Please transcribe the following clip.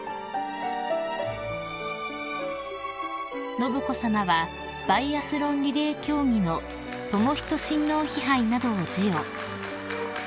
［信子さまはバイアスロンリレー競技の仁親王妃牌などを授与］